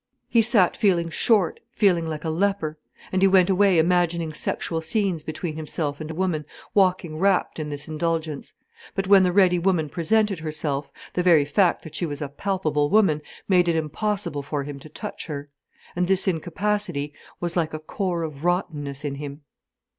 He sat feeling short, feeling like a leper. And he went away imagining sexual scenes between himself and a woman, walking wrapt in this indulgence. But when the ready woman presented herself, the very fact that she was a palpable woman made it impossible for him to touch her. And this incapacity was like a core of rottenness in him.